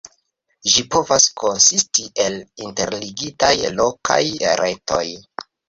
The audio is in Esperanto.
Ĝi povas konsisti el interligitaj lokaj retoj.